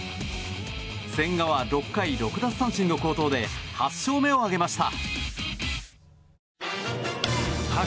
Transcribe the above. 千賀は６回６奪三振の好投で８勝目を挙げました。